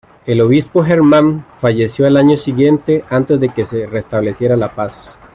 El obispo Germán falleció al año siguiente, antes de que se restableciera la paz.